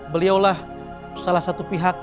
beliaulah salah satu pihak